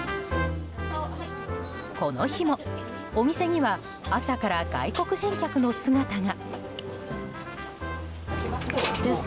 この日もお店には朝から外国人客の姿が。